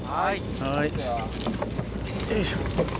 よいしょ。